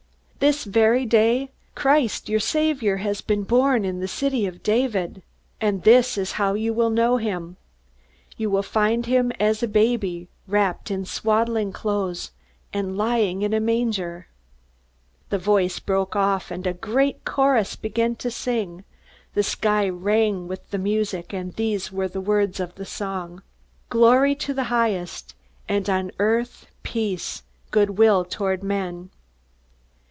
This very day, Christ your Saviour has been born in the city of David. And this is how you will know him: you will find him as a baby, wrapped in swaddling clothes, and lying in a manger." The voice broke off, and a great chorus began to sing. The sky rang with the music, and these were the words of the song: "Glory to God in the highest, And on earth peace, good will toward men."